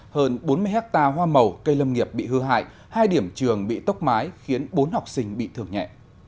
hơn bốn mươi hectare hoa màu cây lâm nghiệp bị hư hại hai điểm trường bị tốc mái khiến bốn học sinh bị thương nhẹ